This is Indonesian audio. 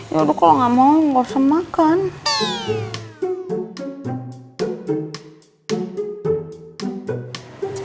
ya udah kalau gak mau aku gak usah makan